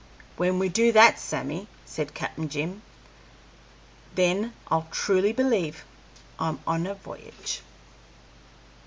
"When we do that, Sammy," said Captain Jim, "then I'll truly believe I'm on a v'yage!"